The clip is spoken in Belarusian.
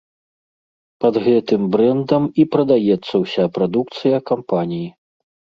Пад гэтым брэндам і прадаецца ўся прадукцыя кампаніі.